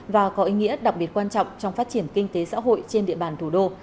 và có ý nghĩa đặc biệt quan trọng trong phát triển kinh tế xã hội trên địa bàn thủ đô